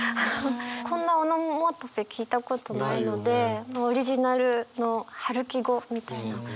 こんなオノマトペ聞いたことないのでオリジナルの春樹語みたいな。